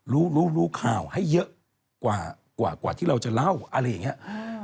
รู้รู้ข่าวให้เยอะกว่าที่เราจะเล่าอะไรอย่างนี้